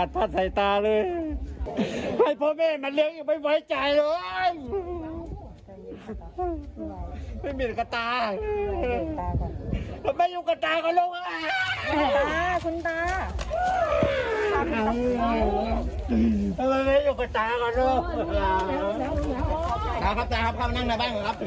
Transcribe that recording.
ถ้าทำความดีผมไม่ทำแล้ว